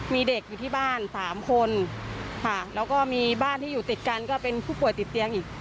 มีเด็กอยู่ที่บ้าน๓คนค่ะแล้วก็มีบ้านที่อยู่ติดกันก็เป็นผู้ป่วยติดเตียงอีก